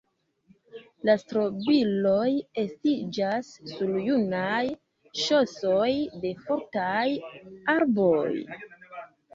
La strobiloj estiĝas sur junaj ŝosoj de fortaj arboj.